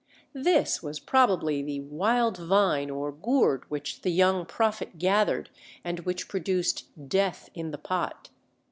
This was probably the Wild Vine or gourd which the young prophet gathered, and which produced "death in the pot."